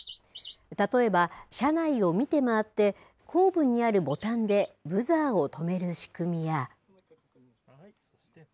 例えば車内を見て回って、後部にあるボタンでブザーを止める仕組みや。